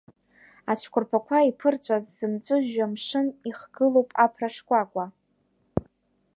Ацәқәырԥақәа иԥырҵәаз зымҵәыжәҩа, амшын ихгылоуп аԥра шкәакәа!